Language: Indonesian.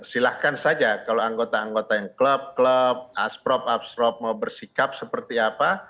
silahkan saja kalau anggota anggota yang klub klub asprop absrop mau bersikap seperti apa